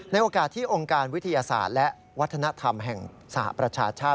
โอกาสที่องค์การวิทยาศาสตร์และวัฒนธรรมแห่งสหประชาชาติ